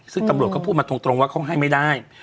ซึ่งตำรวจก็พูดมาตรงว่าเขาให้ไม่ได้